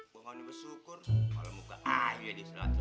bukannya bersyukur malah muka aja diselat selat